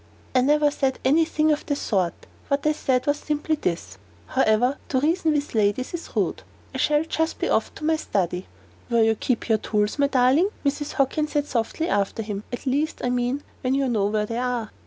"I never said any thing of the sort. What I said was simply this However, to reason with ladies is rude; I shall just be off to my study." "Where you keep your tools, my darling," Mrs. Hockin said, softly, after him: "at least, I mean, when you know where they are."